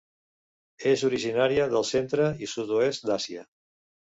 És originària del centre i sud-oest d'Àsia.